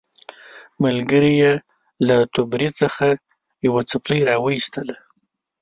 ملګري یې له توبرې څخه یوه څپلۍ راوایستله.